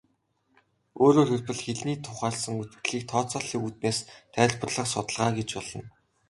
Өөрөөр хэлбэл, хэлний тухайлсан үзэгдлийг тооцооллын үүднээс тайлбарлах судалгаа гэж болно.